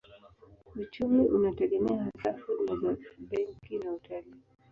Uchumi unategemea hasa huduma za benki na utalii.